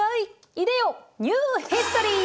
いでよニューヒストリー！